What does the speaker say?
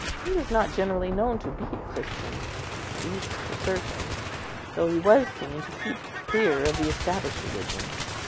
He was not generally known to be a Christian, at least for certain, though he was seen to keep clear of the established religion.